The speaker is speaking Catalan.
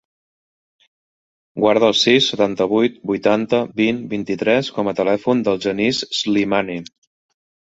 Guarda el sis, setanta-vuit, vuitanta, vint, vint-i-tres com a telèfon del Genís Slimani.